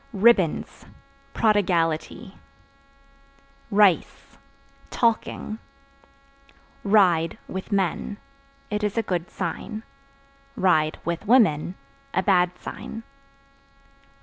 Ribbons Prodigality. Rice Talking. Ride (With men) it is a good sign; (with women) a bad sign.